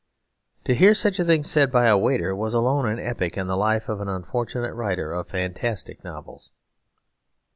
To hear such a thing said by the waiter was alone an epoch in the life of an unfortunate writer of fantastic novels.